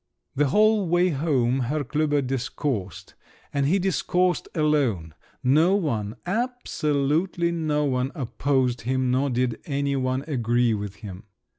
The whole way home Herr Klüber discoursed … and he discoursed alone; no one, absolutely no one, opposed him, nor did any one agree with him.